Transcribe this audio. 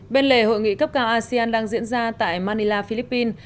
bên lề hội nghị cấp cao asean đang diễn ra tại manila philippines